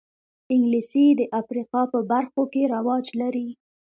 انګلیسي د افریقا په برخو کې رواج لري